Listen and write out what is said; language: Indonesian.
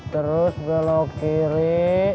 terus belok kiri